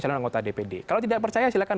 calon anggota dpd kalau tidak percaya silakan